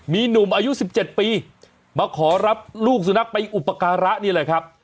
มีหนุ่มอายุ๑๗ปีมาขอรับลูกสุนัขไปอุปการะนี่แหละครับ